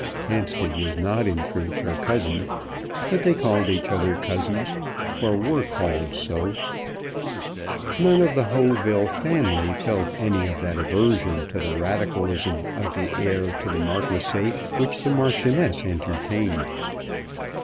Hampstead was not in truth her cousin, but they called each other cousins, or were called so. None of the Hauteville family felt any of that aversion to the Radicalism of the heir to the marquisate which the Marchioness entertained.